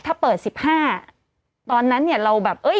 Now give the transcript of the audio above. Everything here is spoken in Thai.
ถ้าเปิด๑๕ตอนนั้นเราแบบ